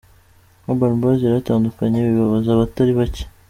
Urban Boys yaratandukanye bibabaza abatari bake .